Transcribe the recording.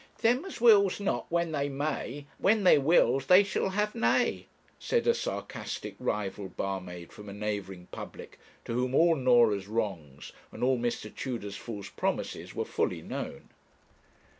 'Them as wills not, when they may, When they wills they shall have nay,' said a sarcastic rival barmaid from a neighbouring public, to whom all Norah's wrongs and all Mr. Tudor's false promises were fully known.